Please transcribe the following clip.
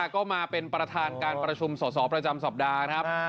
ก็มาเป็นประธานการประชุมสอสอประจำสัปดาห์ครับ